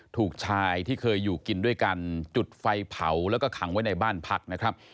ถูกชายที่เคยอยู่กินด้วยกันจุดไฟเผาแล้วก็ขังไว้ในบ้านพักนะครับ